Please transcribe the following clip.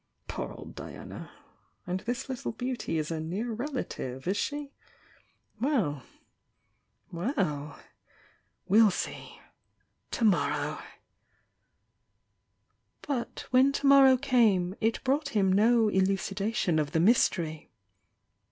Poor old Diana! And this little beauty is a 'near relative,' is she? Well — well! — ^we'U see! To morrow!" But when to morrow cam?, it brought him no elu cidation of the mystery.